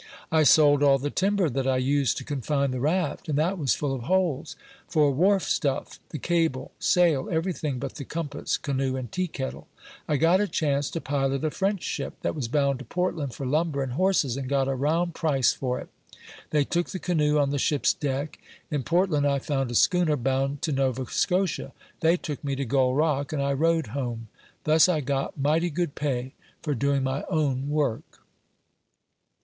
"I sold all the timber that I used to confine the raft (and that was full of holes) for wharf stuff the cable, sail, everything but the compass, canoe, and tea kettle. I got a chance to pilot a French ship, that was bound to Portland for lumber and horses, and got a round price for it. They took the canoe on the ship's deck. In Portland I found a schooner bound to Nova Scotia; they took me to Gull Rock, and I rowed home. Thus I got mighty good pay for doing my own work."